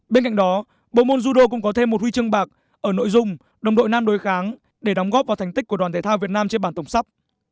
bên cạnh đó bộ môn judo cũng có thêm một huy chương bạc ở nội dung đồng đội nam đối kháng để đóng góp vào thành tích của đoàn thể thao việt nam trên bản tổng sắp